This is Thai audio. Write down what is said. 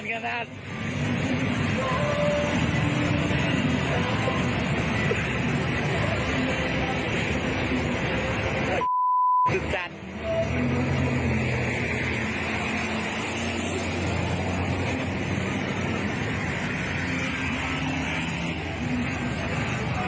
สี่แห้งโค้งสิงนี่หลังต้มม่วนกันฮะ